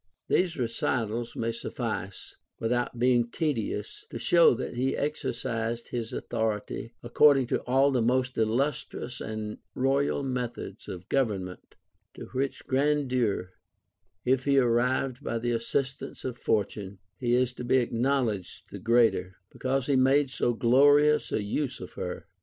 8. These recitals may suffice, without being tedious, to show that he exercised his authority according to all the most illustrious and royal methods of government, 'i'o which grandeur if he arrived by the assistance of Fortune, he is to be acknowledged the greater, because he made so glorious a use of her.